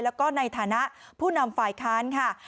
แล้วก็ในฐานะผู้นำฝ่ายค้านค่ะ